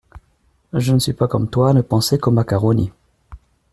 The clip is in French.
Je ne suis pas comme toi à ne penser qu’au macaroni !